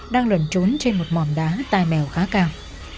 đang lẩn trốn trên một mòn đá tai mèo khá cao